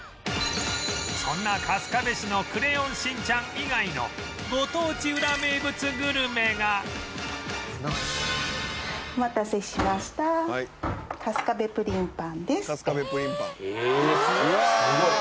そんな春日部市の『クレヨンしんちゃん』以外のご当地ウラ名物グルメがええすごい！